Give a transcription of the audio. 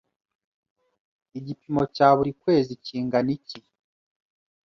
Igipimo cya buri kwezi kingana iki?